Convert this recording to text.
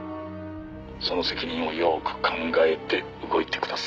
「その責任をよく考えて動いてください」